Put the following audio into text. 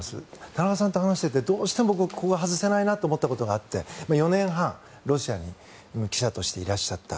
田中さんと話しててどうしてもここは外せないなと思ったことがあって４年半、ロシアに記者としていらっしゃった。